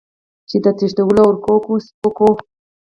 چې د تښتېدلو او ورکو سپکو